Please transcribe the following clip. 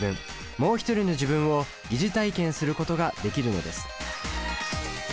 「もう一人の自分」を疑似体験することができるのです。